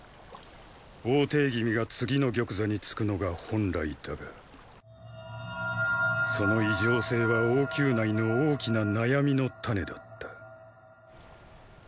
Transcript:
王弟君が次の玉座につくのが本来だがその異常性は王宮内の大きな悩みの種だった。